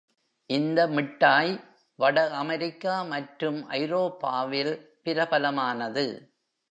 இந்த மிட்டாய் வட அமெரிக்கா மற்றும் ஐரோப்பாவில் பிரபலமானது.